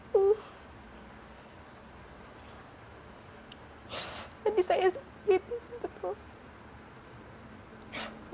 tadi saya sakit di situ tuh